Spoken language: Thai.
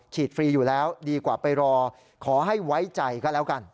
ฟรีอยู่แล้วดีกว่าไปรอขอให้ไว้ใจก็แล้วกัน